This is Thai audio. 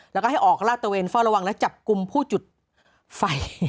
แล้วก็ให้ออกลาดตะเวนเฝ้าระวังและจับกลุ่มผู้จุดไฟ